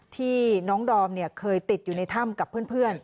ที่น้องดอมเคยติดอยู่ในถ้ำกับเพื่อน